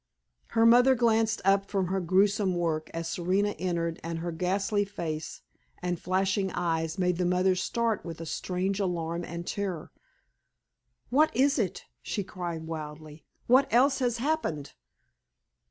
Her mother glanced up from her grewsome work as Serena entered, and her ghastly face and flashing eyes made the mother start with a strange alarm and terror. "What is it?" she cried, wildly. "What else has happened?"